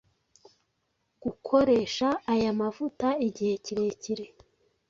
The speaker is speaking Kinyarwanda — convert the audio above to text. gukoresha aya mavuta igihe kirekire,